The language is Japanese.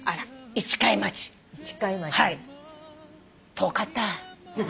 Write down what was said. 遠かった。